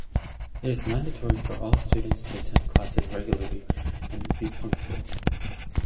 It is mandatory for all students to attend classes regularly and be punctual.